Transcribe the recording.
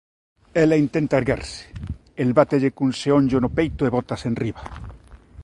Ela intenta erguerse: el bátelle cun xeonllo no peito e bótase enriba.